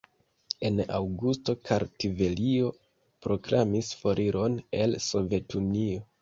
En aŭgusto Kartvelio proklamis foriron el Sovetunio.